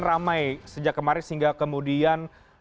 ramai sejak kemarin sehingga kemudian